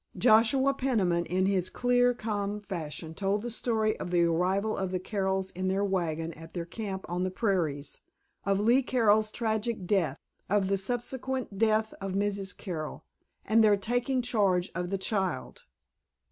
Joshua Peniman in his clear, calm fashion told the story of the arrival of the Carrolls in their wagon at their camp on the prairies, of Lee Carroll's tragic death, of the subsequent death of Mrs. Carroll, and their taking charge of the child.